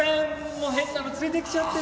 もう変なの連れて来ちゃって。